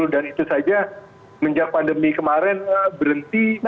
dan itu saja menjak pandemi kemarin berhenti